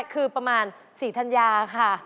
คือประมาณ๔ธัญญาค่ะ